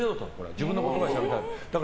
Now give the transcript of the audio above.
自分の言葉でしゃべりたい。